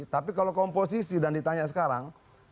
tapi kalau komposisi dan ditanya sekarang